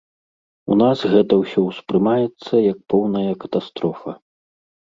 У нас гэта ўсё ўспрымаецца як поўная катастрофа.